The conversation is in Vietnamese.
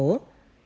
điều ứng phó